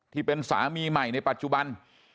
ที่เป็นสามีใหม่ในปัจจุบัน